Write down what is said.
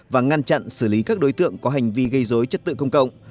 và ngăn chặn xử lý các đối tượng có hành vi gây dối trật tự công cộng